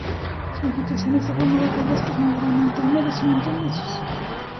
Su vegetación está formada por bosques moderadamente húmedos y montañosos.